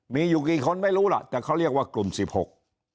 มีอยู่กี่คนไม่รู้ล่ะแต่เขาเรียกว่ากลุ่มสิบหก